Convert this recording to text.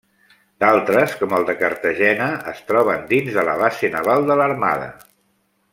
D'altres, com el de Cartagena, es troben dins de la Base Naval de l'Armada.